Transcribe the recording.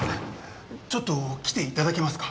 ちょっと来ていただけますか？